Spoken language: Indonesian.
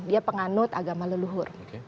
dia penganut agama leluhur